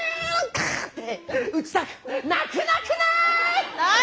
カーッ！って撃ちたくなくなくない？